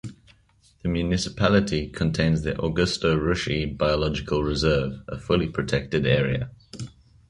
The municipality contains the Augusto Ruschi Biological Reserve, a fully protected area.